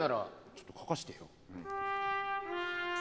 ちょっと描かしてよ。